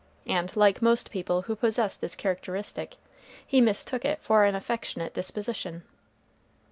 And, like most people who possess this characteristic, he mistook it for an affectionate disposition.